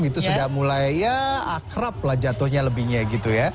itu sudah mulai ya akrab lah jatuhnya lebihnya gitu ya